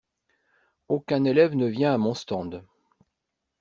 aucun élève ne vient à mon stand.